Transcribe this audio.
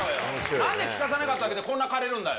なんで聞かさなかっただけで、こんな枯れるんだよ。